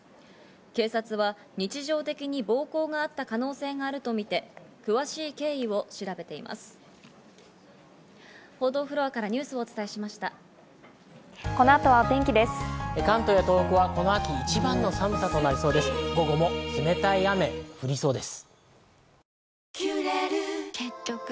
警察は日常的に暴行があった可能性があるとみて詳しい経緯を調べています。